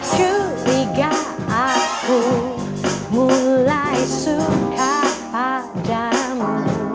curiga aku mulai suka padamu